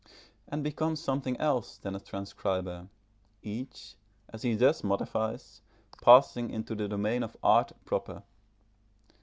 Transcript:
and becomes something else than a transcriber; each, as he thus modifies, passing into the domain of art proper.